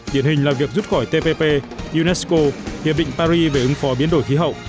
điển hình là việc rút khỏi tppp unesco hiệp định paris về ứng phó biến đổi khí hậu